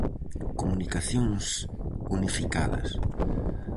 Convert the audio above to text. Comunicacións unificadas.